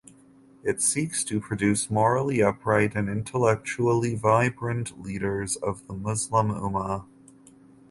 It seeks to produce morally upright and intellectually vibrant leaders of the Muslim Umma.